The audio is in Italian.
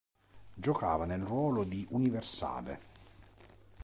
Giocava nel ruolo di universale.